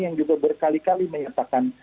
yang juga berkali kali menyatakan